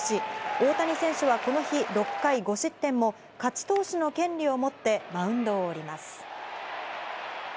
大谷選手はこの日、６回５失点も勝ち投手の権利を持ってマウンドを降ります。